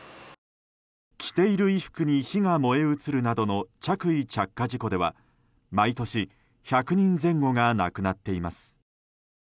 着ている衣服に火が燃え移るなどの着衣着火事故では毎年１００人前後が亡くなっています。